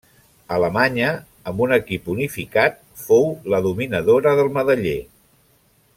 Alemanya, amb un equip unificat, fou la dominadora del medaller.